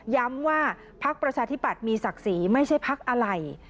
ย้ำว่าพักประชาธิบัตย์มีศักดิ์ศรีไม่ใช่พักอะไร